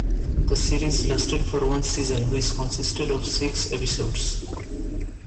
The series lasted for one season which consisted of six episodes.